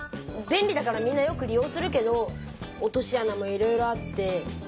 便利だからみんなよく利用するけど落としあなもいろいろあって。